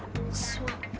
jangan jokob deh